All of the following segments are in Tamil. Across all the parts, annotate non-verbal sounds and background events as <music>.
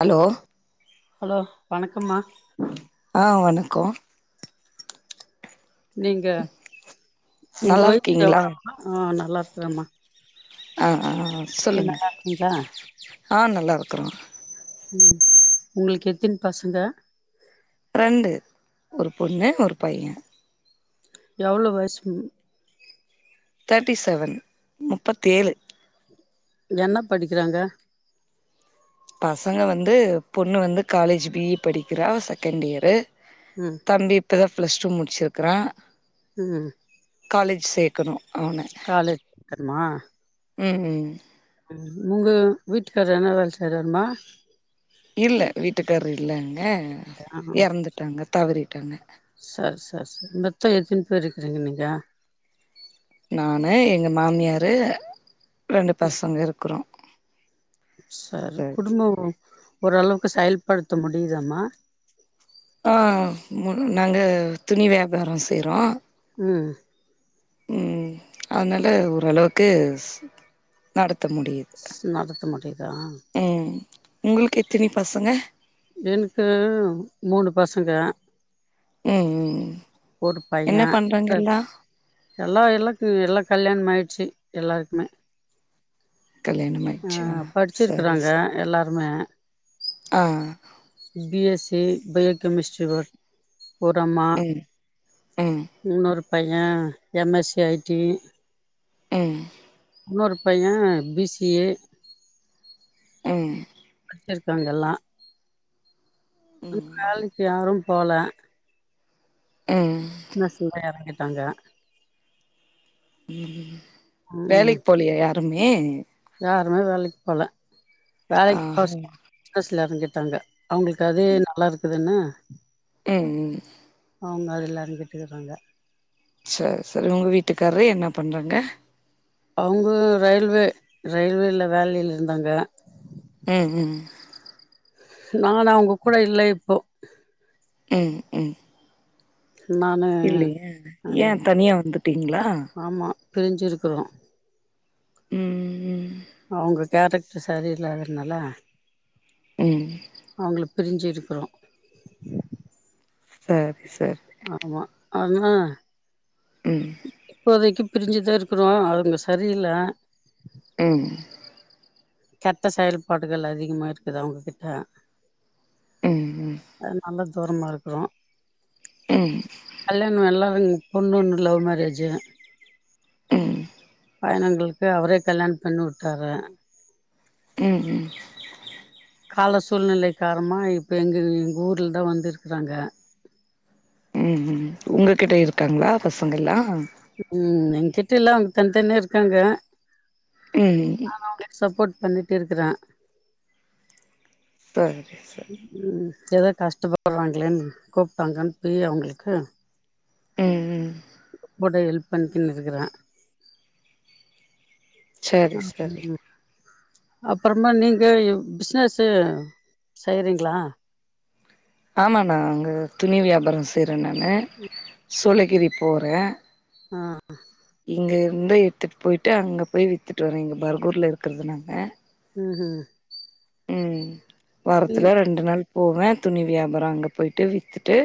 ஹலோ ஹலோ வணக்கம்மா ஆ வணக்கொ நீங்க உங்க நல்லா வொய் இருக்கீங்களா ஆ நல்லா ஆமா ஆ அ ஆ சொல்லுங்க ஆ நல்லார் ம் உங்ளுக்கு எத்தினி பசங்க ரெண்டு ஒரு பொண்ணு ஒரு பைய எவ்ளோ வயசும் தேட்டி செவன் முப்பத்தேழு என்னப் படிக்கிறாங்க பசங்க வந்து பொண்ணு வந்து காலேஜ் பி இ படிக்கிறா செகண்ட் இயரு ம் தம்பி ப தா ப்ளஸ் டூ முடிச்சிக்றா உம் காலேஜ் சேக்கனு காலேஜ் க்கனுமா ம் உங்க வீட்டுக்காரு என்ன வேல செய்றாருமா இல்ல அ ஆ எறந்துட்டாங்க தவறிட்டாங்க கருக்கிறீங்க நீங்க நானு எங்க மாமியாரு ரெண்டு பசங்க இருக்றோ சர் குடும்போம் ஓரளவுக்கு செயல் படுத்த முடியுதாம்மா ஆ நாங்க துணி வியாபாரோ செய்றோ ம் ம் அனால ஓரளவுக்கு நடத் த்த முடியுது நடத்த முடியுதா ம் உங்ளுக்கு எத்தினி பசங்க எனக்கு மூணு பசங்க ம் ஒரு பைய என்ன பண்றாங்க எல்லா எல்லா எல்லாக்கு எல்லா கல்யாண ஆயிடுச்சி எல்லார்க்குமே கல்யாணம் ஆ ஆயிடுச்சா சரி படிச்சிருக்காங்க சரி எல்லாருமே ஆ B S C B biochemistry ஒரு அம்மா ம் ம் உன்னொரு பைய M S C I T ம் இன்னொரு பைய பி சி ஏ ம் இருக்காங்க எல்லா ம் வேலைக்கு யாரும் போகல ம் என்ன செய்யறாங்க காங்க <unintelligible> ம் வேலைக்கு போகலியா யாரும் மே யாருமே வேலைக்கு போகல ஆ வேலைக்கு ம் போறதில சில இடைஞ்சல் <unintelligible> ட்டாங்க அவங்களுக்கு அதே நல்லா இருக்குதுன்னு <inaudible> ம்ம் அவங்க அதுல இருந்துட்டுருக்காங்க சேரி சேரி உங்க வீட்டுக்காரு என்ன பண்றங்க அவங்க ரயில்வே ரயில்வேல வேலைல இருந்தாங்க ம் ம் நானு அவங்க கூட இல்லை இப்போ ம் ம் நானு இல்லையா அது ஏன் தனியா வந்துட்டீங்களா பிரிஞ்சிருக்கிறோம் ம் ம் அவங்க கேரக்டர் சரியில்லாததனால ம் பிரிஞ்சிருக்கிறோம் சேரி ஆமா ஆங்க ம் <unintelligible> இப்போதைக்கு பிரிஞ்சுதான் இருக்கிறோம் அவங்க சரியில்லை ம் கெட்ட செயல்பாடுகள் அதிகமா இருக்குது அவங்க கிட்ட ம் ம் தூரமாகருக்குறோ ம் கல்யாண எல்லாரு பொண்ணு ஒன்னு லவ் மேரேஜூ ம் பையனங்களுக்கு அவரே கல்யாண பண்ணி வுட்டாரு ம் ம் கால சூழ்நிலை காரமா இப்ப எங்க எங்க ஊர்லதா வந்து இருக்காங்க ம் ம் உங்ககிட்ட இருக்காங்ளா பசங்கலா ம் எங்கிட்டல்ல அவங்க தனி தனியாருக்காங்க ம் நாங்க அவங்களுக்கு சப்போர்ட் பண்ணி ருக்குற சரி சரி எதோ கஷ்டப்படுறாங்களேன் கூப்ட்டாங்கன் பேய் அவங்களுக்கு ம் ம் போடே எல்ப் பண்கின் இருக்குற ச்சேரி சரி அப்றமா நீங்க ஏ பிசினஸ்சு செய்றீங்ளா ஆமா நாங்க துணி வியாபார செ செய்ற நானு சுளி கிரி போறே ஆ இங்கேருந்து எடுத்துட் போய்ட்டு அங்க போய் வித்துட்டு வரீங்க <unintelligible> இருக்கறது நாங்க ம் ம் ம் ம் வாரத்துல ரெண்டு நாள் போவே துணி வியாபாரோ அங்க போய்ட்டு வித்துட்டு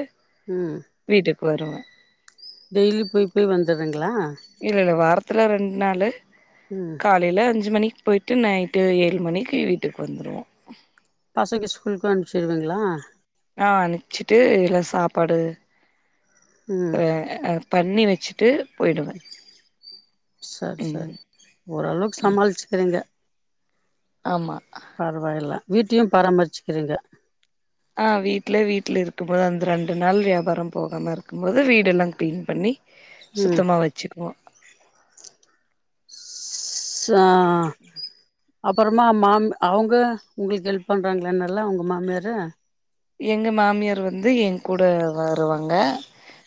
ம் வீட்டுக்கு வருவே டெய்லி போய் போய் வந்துறீங்ளா த்துல ரெண்டு நாளு காலைல அஞ்சு மணி போய்ட்டு நைட்டு ஏழு மணிக்கு வீட்டுக்கு வந்துருவோ பசங்க ஸ்கூலுக்கு அனுப்பிச்சிருவீங்ளா ஆ அனுப்ச்சிட்டு இல்ல சாப்பாடு ம் <unintelligible> பண்ணி வச்சு சரி ம் சரி ஓரளவுக்கு சமாளிச்சுக்றீங்க ஆமா பரவாயில்ல வீட்டயு பராமரிச்சுக்றீங்க ஆ வீட்லே வீட்ல இருக்கும் போது அந்த ரெண்டு நாள் வியாபாரம் போகாம இருக்கும்போது வீடெல்லா க்ளீன் பண்ணி ம் சுத்தமா வச்சுக்குவோ ஆ அப்றமா மாம் அவுங்க உங்களுக்கு ஹெல்ப் பண்றாங்களா என்னல்ல உங்க மாமியாரு எங்க மாமியார் வந்து எங்கூட வருவாங்க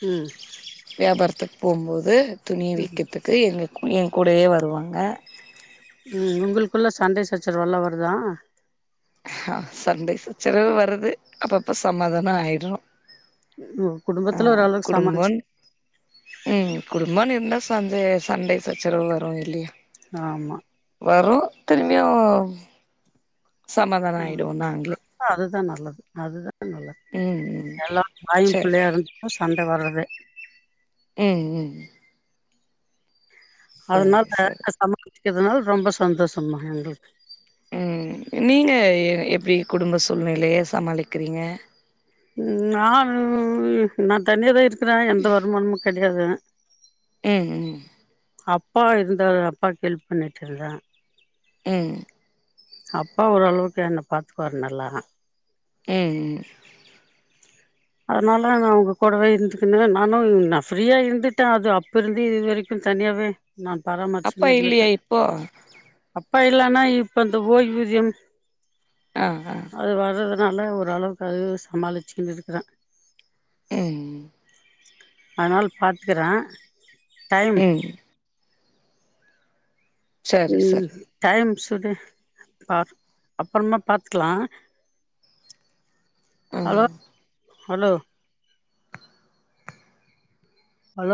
ம் வியாபாரத்துக்கு போம்போது துணி விக்கறதுக்கு எங்க எங்கூடயே வருவாங்க ஆ குள்ள சண்ட சச்சரவு ல்லா வருதா சண்டை சச்சரவு வருது அப்பப்ப சமாதான ஆய்ட்றோ உங்க அ, குடும்பத்துல ஓரளவுக்கு சமாளிச்சு குடும்போன் ம் குடும்போன்னு இருந்தா சந்தே சண்டை சச்சரவு வரு இல்லியா ஆமா வரூ திரும்மியூ சமாதான ஆயிடுவோ நாங்ளே அதுதா நல்லது அதுதா நல்லா எல்லா வாயூ சரி பிள்ளையாருந்தூ சண்ட வர்றதே ம் ம் அத்னால் சரி சரி <inaudible> இதனால் ரொம்ப சந்தோஷமா எங்ளுக்கு ம் நீங்க எப்டி குடும்ப சூழ்நிலைய சமாளிக்றீங்க ம் நாவ் நா தனியா தா இருக் க்றே எந்த வருமானமூ கெடையாது ம் ம் அப்பா இருந்தா அப்பாக்கு ஹெல்ப் பண்ணிட்ருந்தே ம் அப்பா ஓரளவுக்கு என்ன பாத்துக்வாரு நல்லா ம் ம் அதனால நா அவங்க கூடவே இருந்துக்கினு நானு நா ஃப்ரீயா இருந்துட்ட அது அப்ப இருந்து இது வரைக்கு தனியாவே நான் அப்பா இல்லையா <unintelligible> இப்போ அப் <unintelligible> இப்ப இந்த ஓய்வூதியம் ஆ ஆ அது வர்றத னால ஓரளவுக்கு அது சமாளிச்சிக்கினு இருக்ற உஹ்ம் அதனால பாத்துக்கிறா ம் சரி சரி உம் டைம்ஸ் ட்றது ஆ, அப்பறமா பாத்துக்லா ஆம் ஹலோ ஹலோ